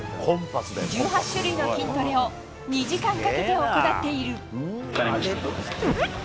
１８種類の筋トレを２時間かけて行っている。